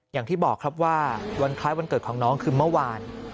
อย่างที่บอกครับว่าวันคล้ายวันเกิดของน้องคือเมื่อวาน